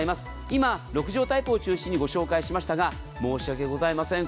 今、６畳タイプを中心にご紹介しましたが申し訳ございません